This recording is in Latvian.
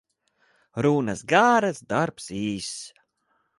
Runas garas, darbs īss.